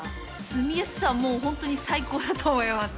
住みやすさはもう本当に最高だと思います。